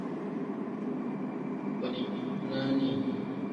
Koni nani.